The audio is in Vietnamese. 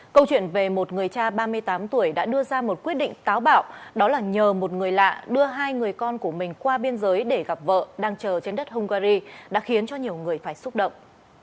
câu chuyện về một người cha ba mươi tám tuổi đã đưa ra một quyết định táo bạo đó là nhờ một người lạ đưa hai người con của mình qua biên giới để gặp vợ đang chờ trên đất hungary đã khiến cho nhiều người phải xúc động